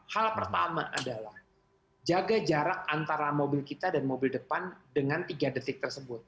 hal pertama adalah jaga jarak antara mobil kita dan mobil depan dengan tiga detik tersebut